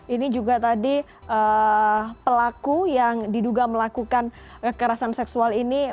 ini juga tadi pelaku yang diduga melakukan kekerasan seksual ini